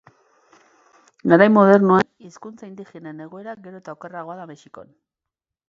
Garai modernoan, hizkuntza indigenen egoera gero eta okerragoa da Mexikon.